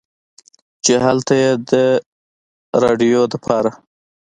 چې هلته ئې د رېډيو دپاره